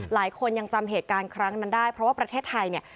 หลายคนยังจำเหตุการณ์ครั้งนั้นได้เพราะว่าประเทศไทยเนี่ย